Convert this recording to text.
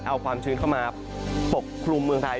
เอาความชื้นเข้ามาปกครุมเมืองไทย